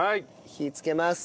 火付けます。